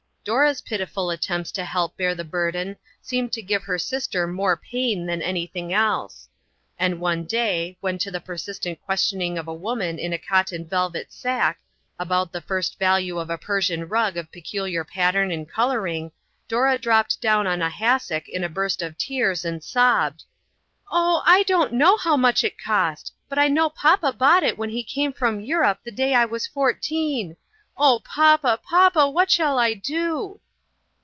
Dora's pitiful attempts to 4O INTERRUPTED. help bear the burden seemed to give her sister more pain than anything else. And one day, when to the persistent questioning of a woman in a cotton velvet sack, about the first value of a Persian rug of peculiar pattern and coloring, Dora dropped down on a hassock in a burst of tears, and sobbed: " Oh, I don't know how much it cost ; but I know papa brought it when he came from Europe the day I was fourteen. Oh, papa, papa, what shall I do